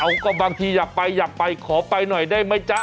เอาก็บางทีอยากไปอยากไปขอไปหน่อยได้ไหมจ๊ะ